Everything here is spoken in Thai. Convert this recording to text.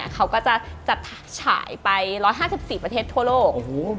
เขาก็จะจัดฉายไป๑๕๔ประเทศทั่วโลก